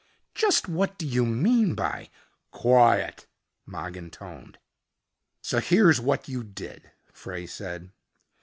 "Just what do you mean by " "Quiet," Mogin toned. "So here's what you did," Frey said.